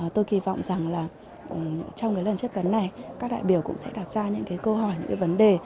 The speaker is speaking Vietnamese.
tôi kỳ vọng rằng là trong lần chấp vấn này các đại biểu cũng sẽ đặt ra những câu hỏi những vấn đề